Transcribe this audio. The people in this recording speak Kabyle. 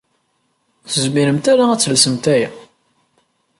Ur tezmiremt ara ad telsemt aya.